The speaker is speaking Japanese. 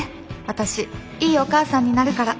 私いいお母さんになるから。